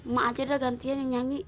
mak aja dah gantian yang nyanyi